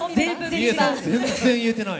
全然言えてない。